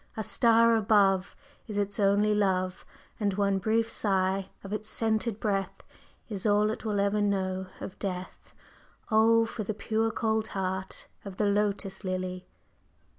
A star above Is its only love, And one brief sigh of its scented breath Is all it will ever know of Death; Oh, for the pure cold heart of the Lotus Lily!